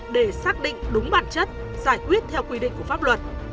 để xác định đúng bản chất giải quyết theo quy định của pháp luật